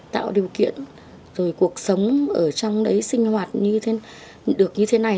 tạo điều kiện rồi cuộc sống ở trong đấy sinh hoạt được như thế này